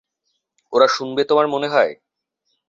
ওরা শুনবে তোমার মনে হয়?